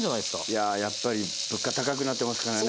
いややっぱり物価高くなってますからね。